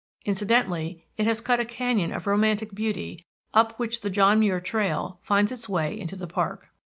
Incidentally, it has cut a canyon of romantic beauty, up which the John Muir Trail finds its way into the park.